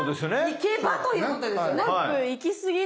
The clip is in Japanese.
いけばということですよね。